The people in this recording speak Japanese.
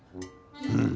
うん。